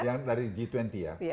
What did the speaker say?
yang dari g dua puluh ya